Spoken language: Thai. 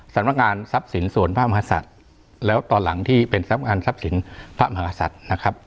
สำนักงานทรัพย์สินส่วนพระมหาศัตริย์แล้วตอนหลังที่เป็นทรัพย์งานทรัพย์สินพระมหาศัตริย์นะครับ